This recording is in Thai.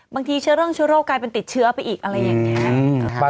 บางทีเชื้อเรื่องเชื้อโรคกลายเป็นติดเชื้อไปอีกอะไรอย่างนี้ครับ